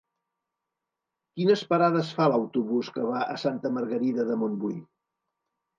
Quines parades fa l'autobús que va a Santa Margarida de Montbui?